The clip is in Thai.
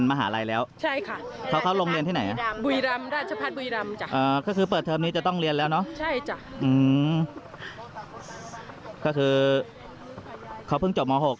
ไม่รู้ไม่รู้เหมือนกัน